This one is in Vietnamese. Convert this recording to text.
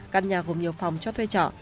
căn nhà gồm nhiều phòng cho thuê trọ